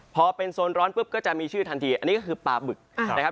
พอเป็นโซนร้อนปุ๊บก็จะมีชื่อทันทีอันนี้ก็คือปลาบึกนะครับ